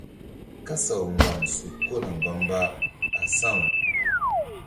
Kasaw mbam su kona mbamba asaw.